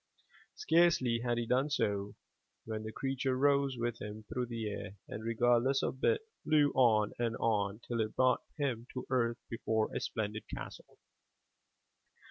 Scarcely had he done so, when the creature rose with him through the air, and regardless of bit, flew on and on, till it brought him to earth before a splendid castle.